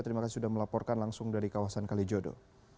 terima kasih sudah melaporkan langsung dari kawasan kalijodo